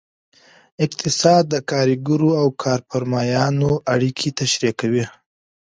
اقتصاد د کارګرو او کارفرمایانو اړیکې تشریح کوي.